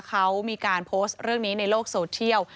เขามีการโพสต์เรื่องนี้ในโลกโซเทียล